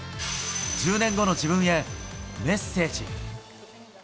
１０年後の自分へ、メッセージ。